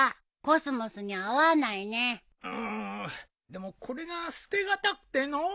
でもこれが捨てがたくてのう。